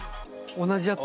同じやつ？